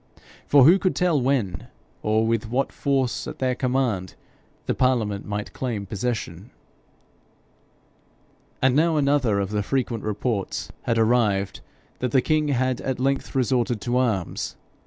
For who could tell when, or with what force at their command, the parliament might claim possession? And now another of the frequent reports had arrived, that the king had at length resorted to arms.